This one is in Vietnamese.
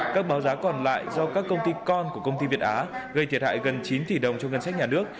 các báo giá còn lại do các công ty con của công ty việt á gây thiệt hại gần chín tỷ đồng cho ngân sách nhà nước